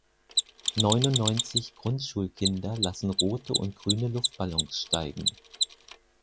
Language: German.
Neunundneunzig Grundschulkinder lassen rote und grüne Luftballons steigen.